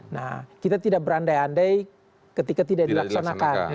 nah kita tidak berandai andai ketika tidak dilaksanakan